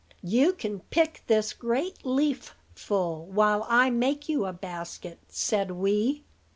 "You can pick this great leaf full, while I make you a basket," said Wee.